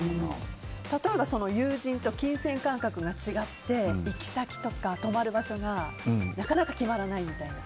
例えば友人と金銭感覚が違って行き先とか泊まる場所がなかなか決まらないみたいな。